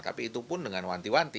tapi itu pun dengan wanti wanti